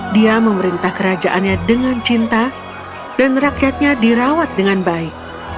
dia memerintah kerajaannya dengan cinta dan rakyatnya dirawat dengan baik